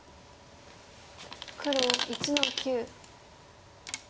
黒１の九。